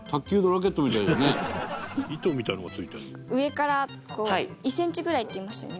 上からこう１センチぐらいって言いましたよね